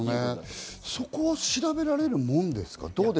そこは調べられるものですか？